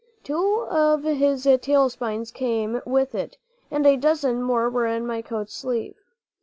Two of his tail spines came with it; and a dozen more were in my coat sleeve.